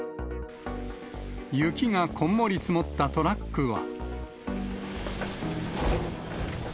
雪がこんもり積もったトラックは。